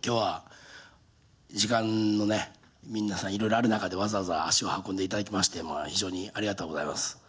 きょうは、時間の皆さん、いろいろある中で、わざわざ足を運んでいただきまして、非常にありがとうございます。